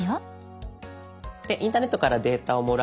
インターネットからデータをもらい